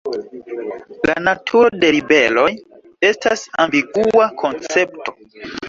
La naturo de ribeloj estas ambigua koncepto.